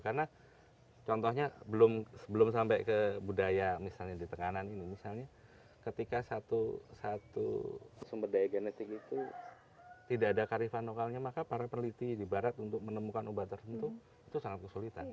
karena contohnya belum sampai ke budaya misalnya di tekanan ini misalnya ketika satu sumber daya genetik itu tidak ada kearifan lokalnya maka para peliti di barat untuk menemukan ubat tertentu itu sangat kesulitan